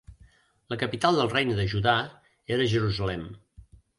La capital del Regne de Judà era Jerusalem.